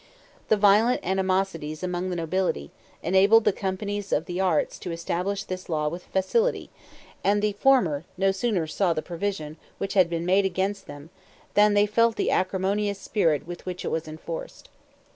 The violent animosities among the nobility enabled the companies of the Arts to establish this law with facility; and the former no sooner saw the provision which had been made against them than they felt the acrimonious spirit with which it was enforced.